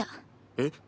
えっ？